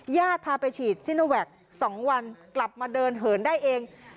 ญาติพาไปฉีดซิโนแวค๒วันกลับมาเดินเหินได้เอง